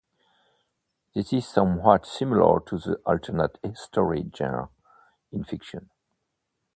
This is somewhat similar to the alternate history genre in fiction.